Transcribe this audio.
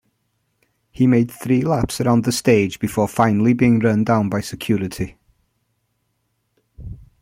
He made three laps around the stage before finally being run down by security.